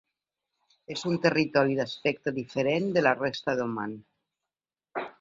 És un territori d'aspecte diferent de la resta d'Oman.